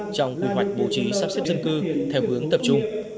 trong quy hoạch bố trí sắp xếp dân cư theo hướng tập trung